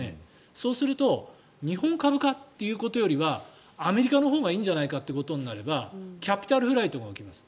そうすると日本株かということよりはアメリカのほうがいいんじゃないかとなればキャピタルフライトが動きます。